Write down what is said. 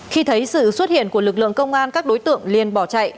khi thấy sự xuất hiện của lực lượng công an các đối tượng liên bỏ chạy